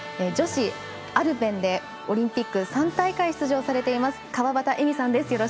女子アルペンでオリンピック３大会出場されています川端絵美さんです。